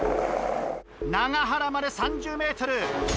永原まで３０ｍ。